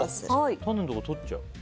種のところとっちゃうんだ。